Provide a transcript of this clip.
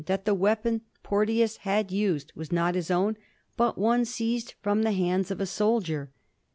that the weapon Porteoas had used waa not hU own, but one seized from the hands of a soldier.